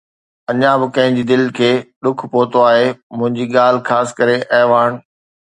اڃا به ڪنهن جي دل کي ڏک پهتو آهي منهنجي ڳالهه، خاص ڪري اعواڻ.